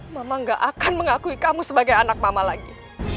mama gak akan mengakui kamu sebagai anak mama lagi